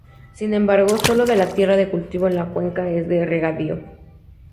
Sin embargo, solo de la tierra de cultivo en la cuenca es de regadío.